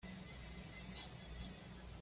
Habita en Rapa.